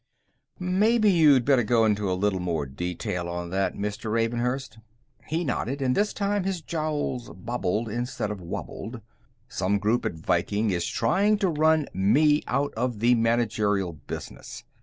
"Maybe you'd better go into a little more detail on that, Mr. Ravenhurst." He nodded, and this time his jowls bobbled instead of wobbled. "Some group at Viking is trying to run me out of the managerial business.